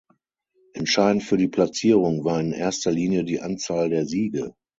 Entscheidend für die Platzierung war in erster Linie die Anzahl der Siege.